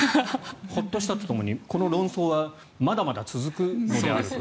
ホッとしたとともにこの論争はまだまだ続くのであると。